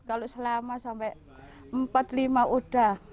kalau selama sampai empat lima udah